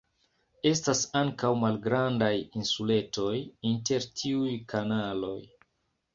Estas ankaŭ malgrandaj insuletoj inter tiuj kanaloj.